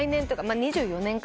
２４年か。